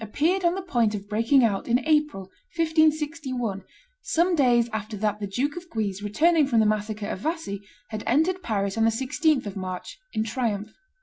appeared on the point of breaking out in April, 1561, some days after that the Duke of Guise, returning from the massacre of Vassy, had entered Paris, on the 16th of March, in triumph.